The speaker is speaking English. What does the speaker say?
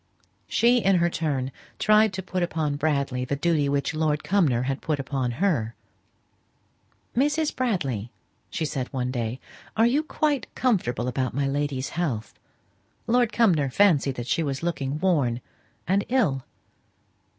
She in her turn tried to put upon Bradley the duty which Lord Cumnor had put upon her. "Mrs. Bradley," she said one day, "are you quite comfortable about my lady's health? Lord Cumnor fancied that she was looking worn and ill?"